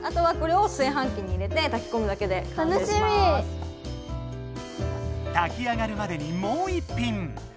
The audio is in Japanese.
あとはこれを炊き上がるまでにもう一品！